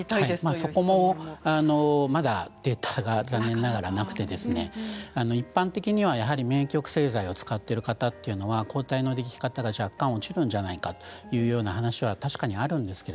そこも、まだデータが残念ながらなくて一般的には免疫抑制剤を使っている方は抗体のでき方が若干落ちるのではないかというような話は確かであります。